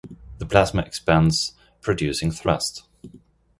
The plasma expands, producing thrust.